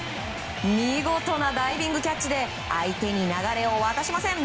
見事なダイビングキャッチで相手に流れを渡しません。